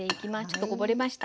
ちょっとこぼれました。